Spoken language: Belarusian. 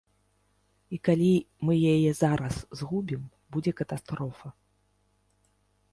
І, калі мы яе зараз згубім, будзе катастрофа.